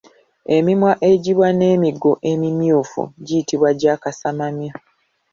Emimwa egiba n’emigo emimyufu giyitibwa gya kasamamya.